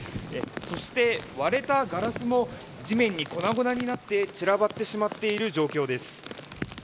そして、割れたガラスも地面に粉々になって散らばってしまっている状況です。